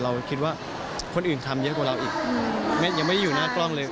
เราคิดว่าคนอื่นทำเยอะกว่าเราอีกยังไม่ได้อยู่หน้ากล้องเลย